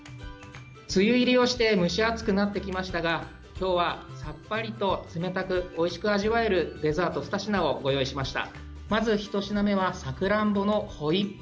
梅雨入りして蒸し暑くなってきたので今日はさっぱりと冷たく味わえる２品をご用意しました。